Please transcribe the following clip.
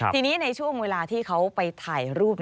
ทีนี้ในช่วงเวลาที่เขาไปถ่ายรูป